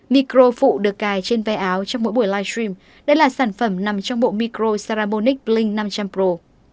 micro phụ được cài trên ve áo trong mỗi buổi live stream đây là sản phẩm nằm trong bộ micro saramonic blink năm trăm linh pro